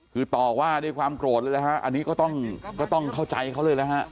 คือต่อว่าด้วยความโกรธเลยนะฮะอันนี้ก็ต้องเข้าใจเขาเลยนะฮะ